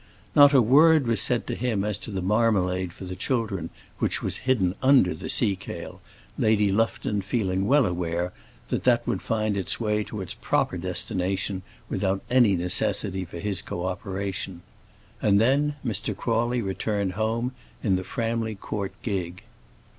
Not a word was said to him as to the marmalade for the children which was hidden under the seakale, Lady Lufton feeling well aware that that would find its way to its proper destination without any necessity for his co operation. And then Mr. Crawley returned home in the Framley Court gig.